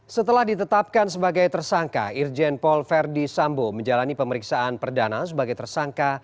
setelah ditetapkan sebagai tersangka irjen paul verdi sambo menjalani pemeriksaan perdana sebagai tersangka